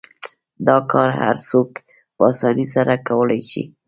دا کار هر څوک په اسانۍ سره کولای شي.